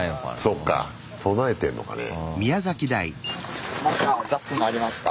そうか備えてんのかねえ。